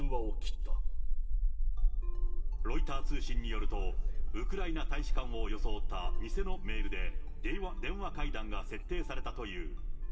ロイター通信によると、ウクライナ大使館を装った偽のメールで、電話会談が設定されたという。